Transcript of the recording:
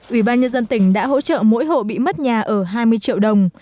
ủy ban nhân dân tỉnh đã hỗ trợ mỗi hộ bị mất nhà ở hai mươi triệu đồng